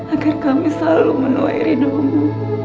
agar kami selalu menuai ridhomu